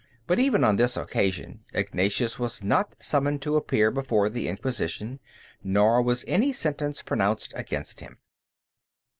But even on this occasion Ignatius was not summoned to appear before the Inquisition; nor was any sentence pronounced against him.